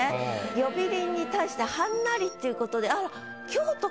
「呼び鈴」に対して「はんなり」ということであら。